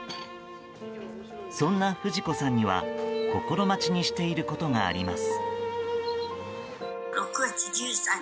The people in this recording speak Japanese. そんな不二子さんには心待ちにしていることがあります。